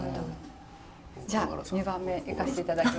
じゃあ２番目いかせて頂きます。